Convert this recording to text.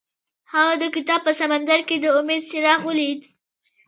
هغه د کتاب په سمندر کې د امید څراغ ولید.